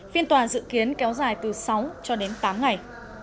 phiên tòa dự kiến kéo dài từ sáu cho đến tám ngày